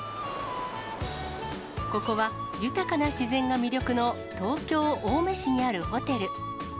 ここは豊かな自然が魅力の、東京・青梅市にあるホテル。